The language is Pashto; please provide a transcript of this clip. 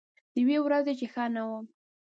د یوې ورځې چې ښه نه وم